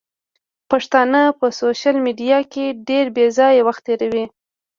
پښتانه په سوشل ميډيا کې ډېر بېځايه وخت تيروي.